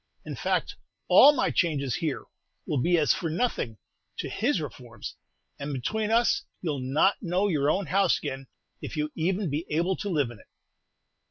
In fact, all my changes here will be as for nothing to his reforms, and between us you 'll not know your own house again, if you even be able to live in it."